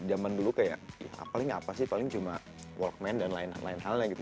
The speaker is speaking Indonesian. jadi dulu kayak ya paling apa sih paling cuma workman dan lain lain hal hal gitu